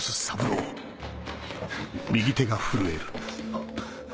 あっ。